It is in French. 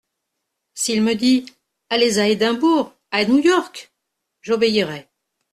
S'il me dit : Allez à Edimbourg, à New York, j'obéirai.